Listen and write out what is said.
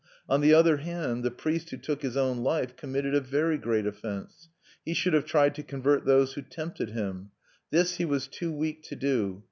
On the other hand, the priest who took his own life committed a very great offense. He should have tried to convert those who tempted him. This he was too weak to do.